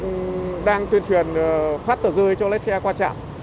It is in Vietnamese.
chúng tôi cũng đang tuyên truyền phát tờ rươi cho lấy xe qua trạm